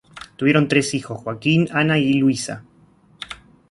Tuvieron tres hijos, Joaquín, Ana y Luisa.